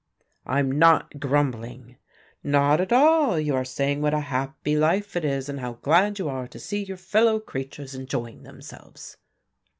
"I'm not grumbling." "Not at all, you are saying what a happy life it is, and how glad you are to see your fellow creatures enjoying themselves."